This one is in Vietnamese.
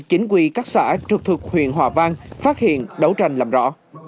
chính quyền các xã trực thực huyện hòa vang phát hiện đấu tranh làm rõ